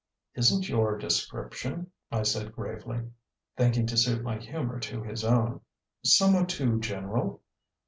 "Isn't your description," I said gravely, thinking to suit my humour to his own, "somewhat too general?